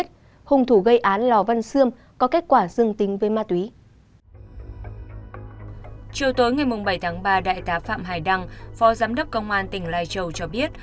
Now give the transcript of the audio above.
chiều tối ngày bảy tháng ba đại tá phạm hải đăng phó giám đốc công an tỉnh lai châu cho biết